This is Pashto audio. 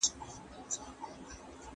که خلګ يو بل ومني، يووالی زياتېږي.